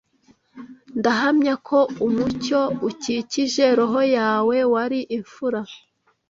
ndahamya ko umucyo ukikije roho yawe wari imfura